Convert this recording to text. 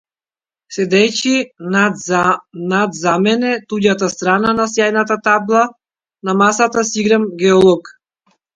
Седејќи над за мене туѓата страна на сјајната табла на масата си играм геолог.